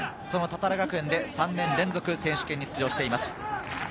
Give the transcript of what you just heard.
その多々良学園で３年連続選手権に出場しています。